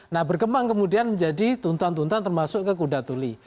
nah berkembang kemudian menjadi tuntan tuntan termasuk ke kudatuli